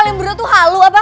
kalian berdua tuh halu apa